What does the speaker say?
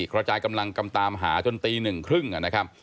กระจายกำลังกำตามหาจนตีหนึ่งครึ่งนะครับ